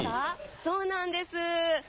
そうなんです。